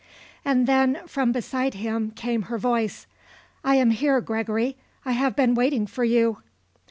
And then, from beside him, came her voice. "I am here, Gregory. I have been waiting for you."